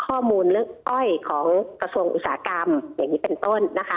ข้อมูลเรื่องอ้อยของกระทรวงอุตสาหกรรมอย่างนี้เป็นต้นนะคะ